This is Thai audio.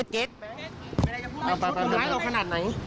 เก็ตไม่รู้เรื่องขนาดไหน